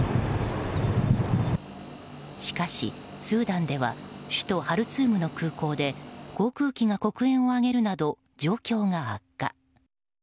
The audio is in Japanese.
しかしスーダンでは首都ハルツームの空港で航空機が黒煙を上げるなど状況が悪化。